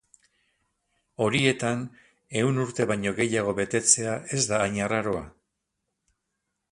Horietan ehun urte baino gehiago betetzea ez da hain arraroa.